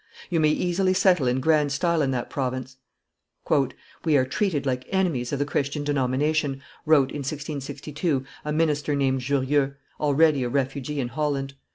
You may easily settle in grand style in that province." "We are treated like enemies of the Christian denomination," wrote, in 1662, a minister named Jurieu, already a refugee in Holland.